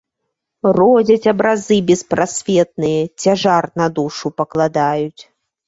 Родзяць абразы беспрасветныя, цяжар на душу пакладаюць.